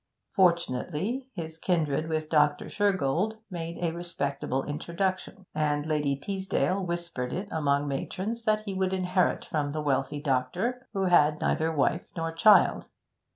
Fortunately, his kindred with Dr. Shergold made a respectable introduction, and Lady Teasdale whispered it among matrons that he would inherit from the wealthy doctor, who had neither wife nor child.